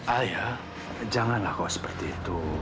ayah janganlah kalau seperti itu